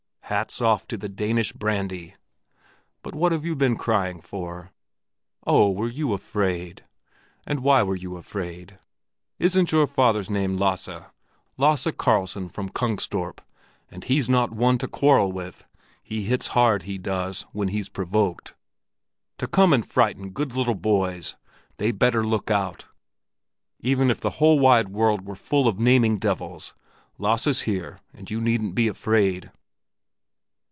"Hats off to the Danish brandy! But what have you been crying for? Oh, you were afraid? And why were you afraid? Isn't your father's name Lasse—Lasse Karlsson from Kungstorp? And he's not one to quarrel with; he hits hard, he does, when he's provoked. To come and frighten good little boys! They'd better look out! Even if the whole wide world were full of naming devils, Lasse's here and you needn't be afraid!"